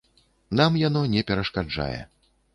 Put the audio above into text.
Нам яно не перашкаджае.